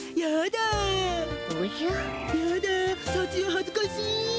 やださちよはずかしい。